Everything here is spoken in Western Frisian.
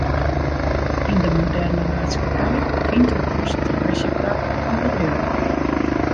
Yn de moderne maatskippij fynt in konsintraasje plak fan bedriuwen.